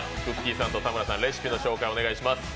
さんと田村さん、レシピの紹介をお願いします。